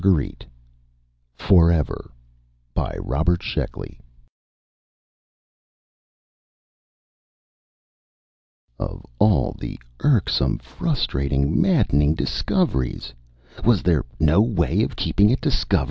pgdp.net FOREVER By NED LANG _Of all the irksome, frustrating, maddening discoveries was there no way of keeping it discovered?